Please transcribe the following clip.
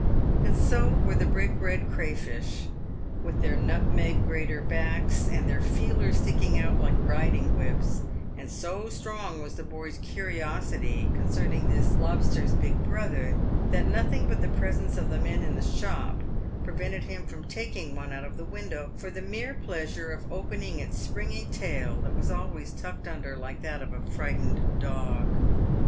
And so were the brick red crayfish, with their nutmeg grater backs, and their feelers sticking out like riding whips ; and so strong was the boy's curiosity concerning this " lobster's big brother," that nothing but the presence of the men in the shop prevented him from taking one out of the window for the mere pleasure of opening its springy tail, that was always tucked under like that of a frightened dog.